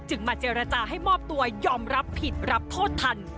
มาเจรจาให้มอบตัวยอมรับผิดรับโทษทัน